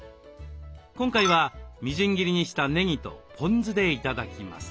今回はみじん切りにしたねぎとポン酢で頂きます。